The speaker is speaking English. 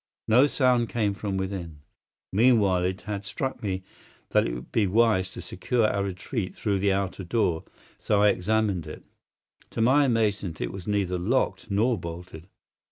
No sound came from within. Meanwhile it had struck me that it would be wise to secure our retreat through the outer door, so I examined it. To my amazement it was neither locked nor bolted!